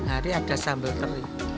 empat hari ada sambal teri